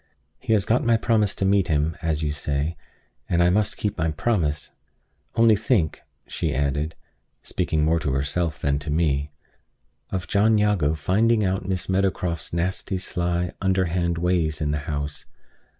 He has got my promise to meet him, as you say; and I must keep my promise. Only think," she added, speaking more to herself than to me, "of John Jago finding out Miss Meadowcroft's nasty, sly, underhand ways in the house!